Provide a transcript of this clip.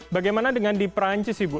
bagaimana dengan di perancis ibu